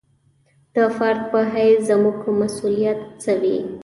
د فرد په حیث زموږ مسوولیت څه وي.